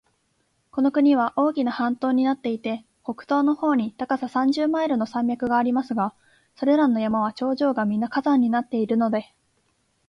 この国は大きな半島になっていて、北東の方に高さ三十マイルの山脈がありますが、それらの山は頂上がみな火山になっているので、